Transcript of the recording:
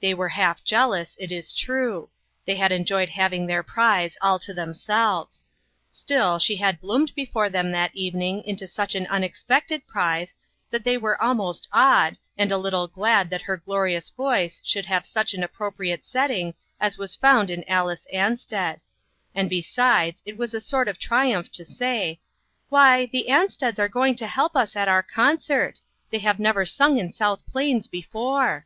They were half jealous, it is true. They had STARTING FOR HOME. 227 enjoyed having their prize all to themselves. Still, she had bloomed before them that evening into such an unexpected prize, that they were almost awed, and a little glad that her glorious voice should have such an appropriate setting as was found in Alice Ansted ; and besides, it was a sort of a triumph to say :" Why, the Ansteds are going to help us at our concert ! They have never sung in South Plains before